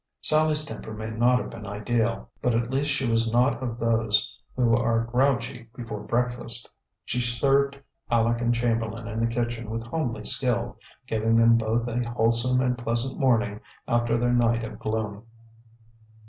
Sallie's temper may not have been ideal, but at least she was not of those who are grouchy before breakfast. She served Aleck and Chamberlain in the kitchen with homely skill, giving them both a wholesome and pleasant morning after their night of gloom.